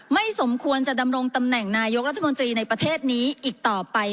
สมควรจะดำรงตำแหน่งนายกรัฐมนตรีในประเทศนี้อีกต่อไป